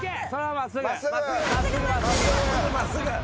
真っすぐ真っすぐ。